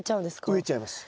植えちゃいます。